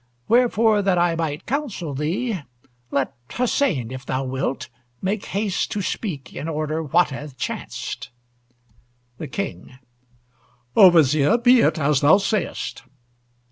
Wherefore, that I may counsel thee, Let Hussein, if thou wilt, make haste To speak in order what hath chanced. THE KING O Vizier, be it as thou say'st!